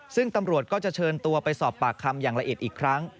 ซึ่งตำรวจก็จะเชิญตัวไปสอบปากคำอย่างละเอียดอีกครั้ง